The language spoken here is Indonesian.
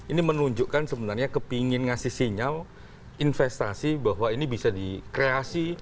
ini menunjukkan sebenarnya kepingin ngasih sinyal investasi bahwa ini bisa dikreasi